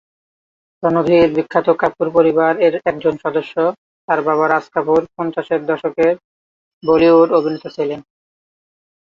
রণধীর বিখ্যাত কাপুর পরিবার এর একজন সদস্য, তার বাবা রাজ কাপুর পঞ্চাশের দশকের বলিউড অভিনেতা ছিলেন।